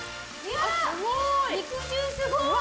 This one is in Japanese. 肉汁すごい！